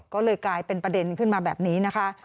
ก็เลยกลายเป็นประเด็นขึ้นมาแบบนี้นะคะ